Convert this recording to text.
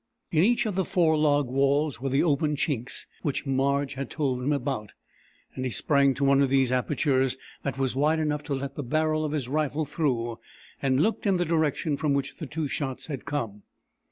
In each of the four log walls were the open chinks which Marge had told him about, and he sprang to one of these apertures that was wide enough to let the barrel of his rifle through and looked in the direction from which the two shots had come.